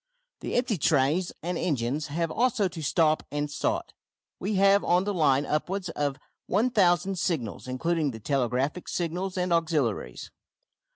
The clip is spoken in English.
The empty trains and engines have also to stop and start. We have on the line upwards of 1000 signals, including the telegraphic signals and auxiliaries.